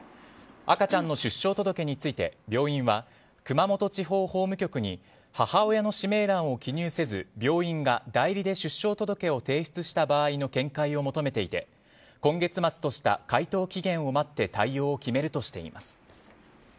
赤ちゃんの出生届について病院は熊本地方法務局に母親の氏名欄を記入せず病院が代理で出生届を提出した場合の見解を求めていて今月末とした回答期限を待って対応を決めるとしています。